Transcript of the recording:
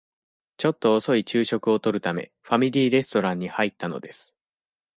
ちょっと遅い昼食をとるため、ファミリーレストランに入ったのです。